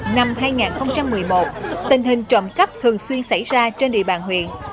năm hai nghìn một mươi một tình hình trộm cắp thường xuyên xảy ra trên địa bàn huyện